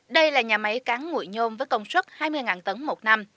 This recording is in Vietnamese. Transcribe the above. đây là nhà máy cáng ngụy nhôm với công suất hai mươi tấn một năm